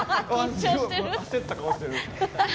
焦った顔してる。